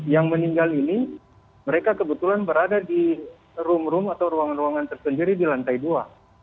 yang meninggal ini mereka kebetulan berada di room room atau ruangan ruangan tersendiri di lantai dua